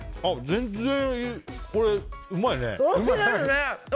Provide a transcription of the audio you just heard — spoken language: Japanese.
全然これ、うまいね。